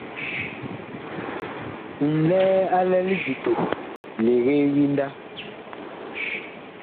Ŋlɛɛ a lɛ livito, legee winda.